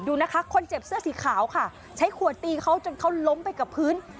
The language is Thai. ดูนะคะคนเจ็บเสื้อสีขาวค่ะใช้ขวดตีเขาจนเขาล้มไปกับพื้น